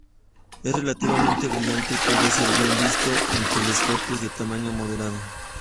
Es relativamente brillante y puede ser bien visto en telescopios de tamaño moderado.